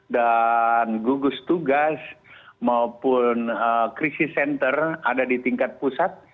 dan gugus tugas maupun krisis center ada di tingkat pusat